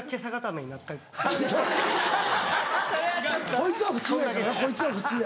こいつは普通やからなこいつは普通や。